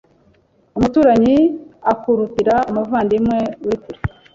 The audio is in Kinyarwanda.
Umuturanyi akurutira umuvandimwe uri kure